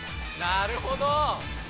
なるほど！